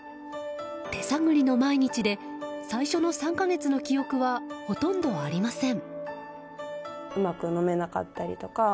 手探りの毎日で最初の３か月の記憶はほとんどありません。